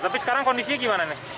tapi sekarang kondisinya gimana nih